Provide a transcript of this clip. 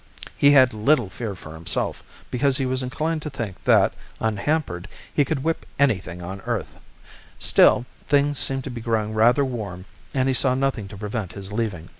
He had little fear for himself, because he was inclined to think that, unhampered, he could whip anything on earth; still, things seemed to be growing rather warm and he saw nothing to prevent his leaving.